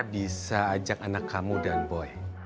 bisa ajak anak kamu dan boy